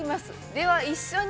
では一緒に。